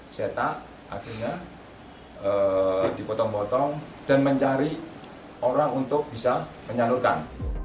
seta akhirnya dipotong potong dan mencari orang untuk bisa menyalurkan